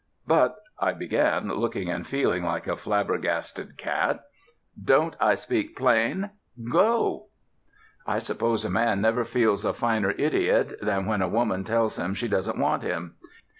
"But " I began, looking and feeling like a flabbergasted cat. "Don't I speak plain? Go!" I suppose a man never feels a finer idiot than when a woman tells him she doesn't want him.